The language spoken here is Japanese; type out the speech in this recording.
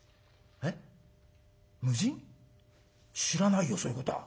知らないよそういうことは。